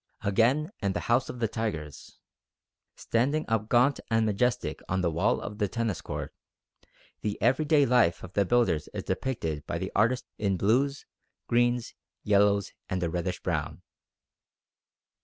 Again, in the House of the Tigers, standing up gaunt and majestic on the wall of the Tennis Court, the everyday life of the builders is depicted by the artist in blues, greens, yellows, and a reddish brown.